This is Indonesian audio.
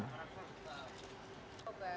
kami akan melakukan update